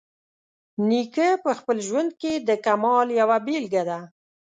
نیکه په خپل ژوند کې د کمال یوه بیلګه ده.